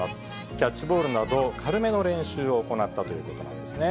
キャッチボールなど、軽めの練習を行ったということなんですね。